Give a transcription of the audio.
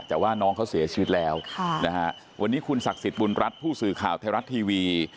แต่ว่าน้องเขาเสียชีวิตแล้วค่ะนะฮะวันนี้คุณศักดิ์สิทธิ์บุญรัฐผู้สื่อข่าวไทยรัฐทีวี